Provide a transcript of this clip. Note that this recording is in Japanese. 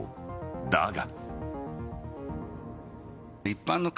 だが。